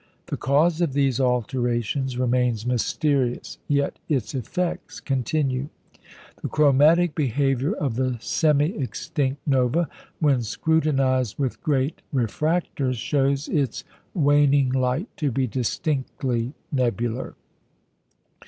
The cause of these alterations remains mysterious, yet its effects continue. The chromatic behaviour of the semi extinct Nova, when scrutinised with great refractors, shows its waning light to be distinctly nebular.